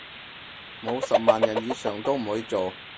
冇十萬人以上都唔會做